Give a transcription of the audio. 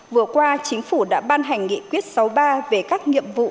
vừa qua chính phủ đã ban hành nghị quyết sáu mươi ba về các nhiệm vụ